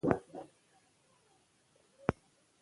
که د مور او که د خور يا په بل کوم نقش کې تل